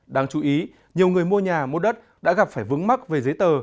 đáng chú ý nhiều người mua nhà mua đất đã gặp phải vững mắc về giấy tờ